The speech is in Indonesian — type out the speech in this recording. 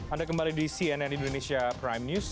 anda kembali di cnn indonesia prime news